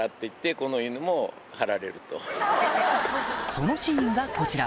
そのシーンがこちら！